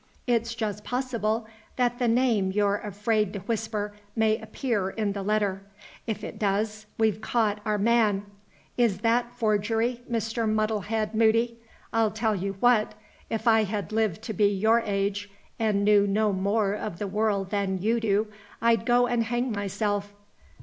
It's just possible that the name you're afraid to whisper may appear in the letter. If it does, we've caught our man. Is that forgery, Mr. Muddlehead Moody? I'll tell you what if I had lived to be your age, and knew no more of the world than you do, I'd go and hang myself.